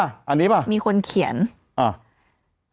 ฟังลูกครับ